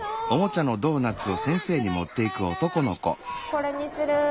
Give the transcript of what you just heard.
これにする。